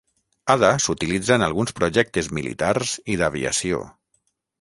Ada s'utilitza en alguns projectes militars i d'aviació.